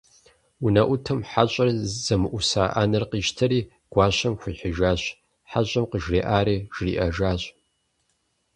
УнэӀутым хьэщӀэр зэмыӀуса Ӏэнэр къищтэри гуащэм хуихьыжащ, хьэщӀэм къыжриӀари жриӀэжащ.